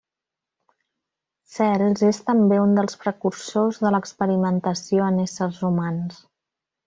Cels és també un dels precursors de l'experimentació en éssers humans.